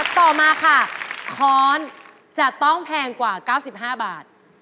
ต่อมาค่ะค้อนจะต้องแพงกว่า๙๕บาท